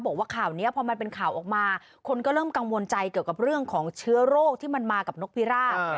บอกว่าข่าวนี้พอมันเป็นข่าวออกมาคนก็เริ่มกังวลใจเกี่ยวกับเรื่องของเชื้อโรคที่มันมากับนกพิราบ